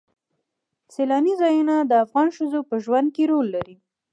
سیلاني ځایونه د افغان ښځو په ژوند کې رول لري.